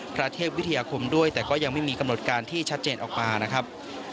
พระเทพวิทยาคมด้วยแต่ก็ยังไม่มีกำหนดการที่ชัดเจนออกมานะครับ